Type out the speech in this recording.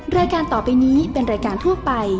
รายการต่อไปนี้เป็นรายการทั่วไป